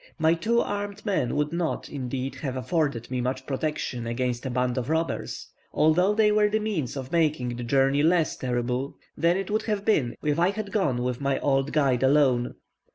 My two armed men would not, indeed, have afforded me much protection against a band of robbers, although they were the means of making the journey less terrible than it would have been if I had gone with my old guide alone.